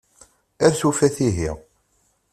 Ar tufat ihi.